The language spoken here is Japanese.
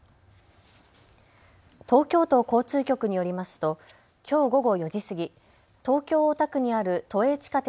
東京都交通局によりますときょう午後４時過ぎ、東京大田区にある都営地下鉄